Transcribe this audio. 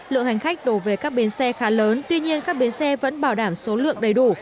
lượng hành khách đổ về các bến xe khá lớn tuy nhiên các bến xe vẫn bảo đảm số lượng đầy đủ